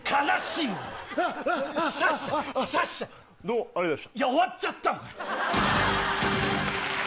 いや終わっちゃったのかよ！